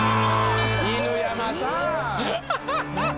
犬山さん。